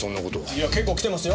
いや結構来てますよ。